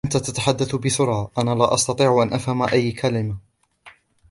أنتَ تتحدث بسرعة, أنا لا أستطيع أن أفهم أي كلمة.